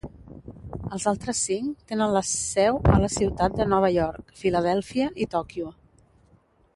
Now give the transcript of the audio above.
Els altres cinc tenen la seu a la ciutat de Nova York, Filadèlfia i Tòquio.